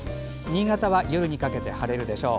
新潟は、夜にかけて晴れるでしょう。